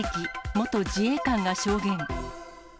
元自衛官が証言。